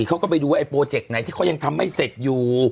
เขาก็ไปดูว่าไอโปรเจกต์ไหนที่เขายังทำไม่เสร็จอยู่